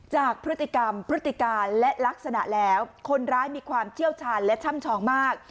จากพฤติกรรมพฤติการและลักษณะแล้วคนร้ายมีความเชี่ยวชาญและช่ำชองมาก